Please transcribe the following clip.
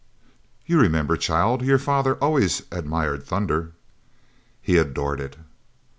You remember, child, your father always admired thunder?" "He adored it."